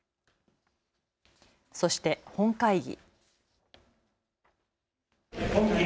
そして本会議。